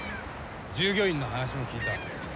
従業員の話も聞いた。